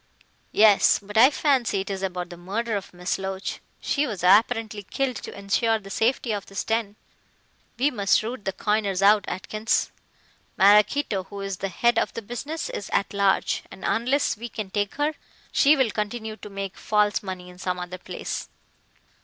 "Yes. But I fancy it is about the murder of Miss Loach. She was apparently killed to ensure the safety of this den. We must root the coiners out, Atkins. Maraquito, who is the head of the business, is at large, and unless we can take her, she will continue to make false money in some other place.